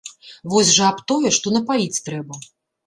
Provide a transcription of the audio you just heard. Вось жа аб тое, што напаіць трэба.